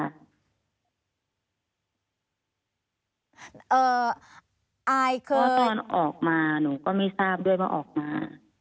อายคือตอนออกมาหนูก็ไม่ทราบด้วยว่าออกมา